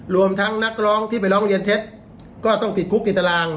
รวมทั้งนักร้องที่ไปร้องเรียนเท็จก็ต้องติดคุกติดตาราง